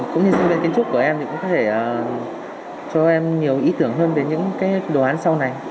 cũng như sinh viên kiến trúc của em cũng có thể cho em nhiều ý tưởng hơn về những đồ hán sau này